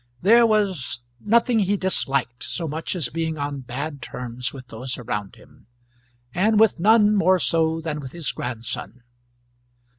There was nothing he disliked so much as being on bad terms with those around him, and with none more so than with his grandson.